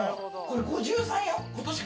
５３よ？